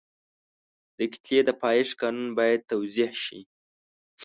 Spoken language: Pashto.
د کتلې د پایښت قانون باید توضیح شي.